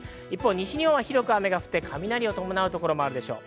西日本は広く雨が降って、雷を伴うところもあるでしょう。